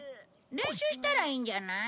練習したらいいんじゃない？